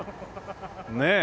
ねえ。